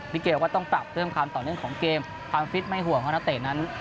เกลก็ต้องปรับเพิ่มความต่อเนื่องของเกมความฟิตไม่ห่วงเพราะนักเตะนั้น